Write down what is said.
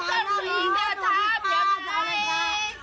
อย่าทำอย่าทำ